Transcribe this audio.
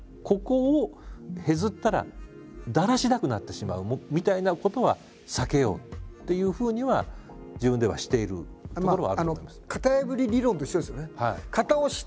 ここをへずったらだらしなくなってしまうみたいなことは避けようっていうふうには自分ではしているところはあると。